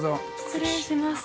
◆失礼します。